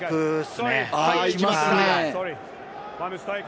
行きますね。